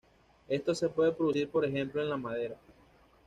Esto se puede producir por ejemplo en la madera.